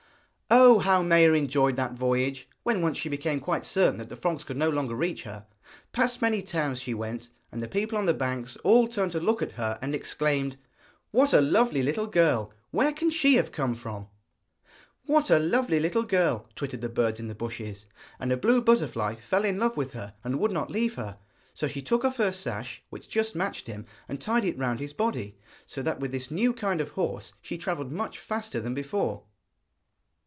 Oh, how Maia enjoyed that voyage, when once she became quite certain that the frogs could no longer reach her. Past many towns she went, and the people on the banks all turned to look at her, and exclaimed: 'What a lovely little girl! Where can she have come from?' 'What a lovely little girl!' twittered the birds in the bushes. And a blue butterfly fell in love with her, and would not leave her; so she took off her sash, which just matched him, and tied it round his body, so that with this new kind of horse she travelled much faster than before.